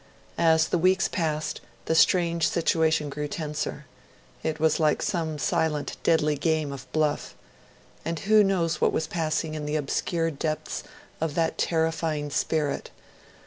As the weeks passed, the strange situation grew tenser. It was like some silent deadly game of bluff. And who knows what was passing in the obscure depths of that terrifying spirit?